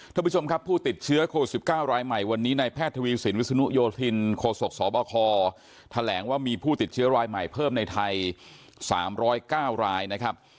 ท่านผู้ชมครับผู้ติดเชื้อโควิด๑๙รายใหม่วันนี้ในแพทย์ทวีสินวิศนุโยธินโคศกสบคแถลงว่ามีผู้ติดเชื้อรายใหม่เพิ่มในไทย๓๐๙รายนะครับ